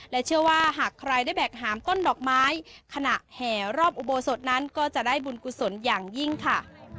เชื่อว่าหากใครได้แบกหามต้นดอกไม้ขณะแห่รอบอุโบสถนั้นก็จะได้บุญกุศลอย่างยิ่งค่ะ